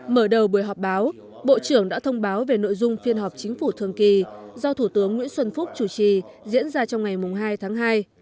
mở đầu buổi họp báo bộ trưởng đã thông báo về nội dung phiên họp chính phủ thường kỳ do thủ tướng nguyễn xuân phúc chủ trì diễn ra trong ngày hai tháng hai